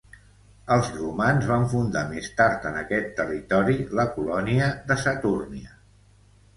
Els romans van fundar més tard en aquest territori la colònia de Satúrnia.